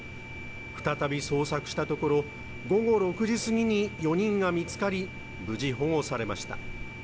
再び捜索したところ午後６時過ぎに４人が見つかり無事保護されました。